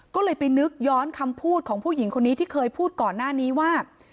ก็เลยไปนึกย้อนคำพูดของผู้หญิงคนนี้ที่เคยพูดก่อนหน้านี้ว่า